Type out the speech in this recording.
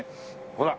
ほら！